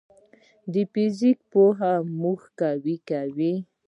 د فزیک پوهه موږ قوي کوي.